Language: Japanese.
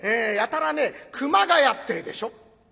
やたらね「くまがや」ってえでしょ。